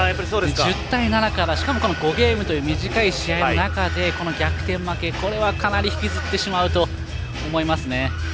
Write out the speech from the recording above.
１０対７からしかも、５ゲームという短い試合の中でこの逆転負け、これはかなり引きずってしまうと思います。